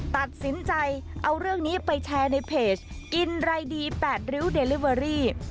ตัดสินใจเอาเรื่องนี้ไปแชร์ในเพจกินไรดี๘ริ้วเดลิเวอรี่